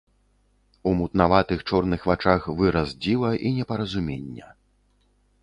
У мутнаватых чорных вачах выраз дзіва і непаразумення.